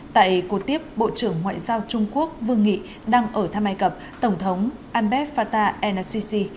tại cuộc tiếp bộ trưởng ngoại giao trung quốc vương nghị đang ở tham mai cập tổng thống al befata en nasisi